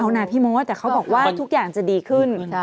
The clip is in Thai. เอานะพี่มดแต่เขาบอกว่าทุกอย่างจะดีขึ้น